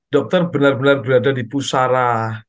dokter benar benar berada di pusara